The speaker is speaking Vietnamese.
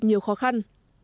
nhiều khó khăn